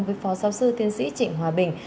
với phó giáo sư tiên sĩ trịnh hòa bình